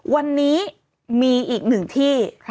วันนี้มีอีกหนึ่งที่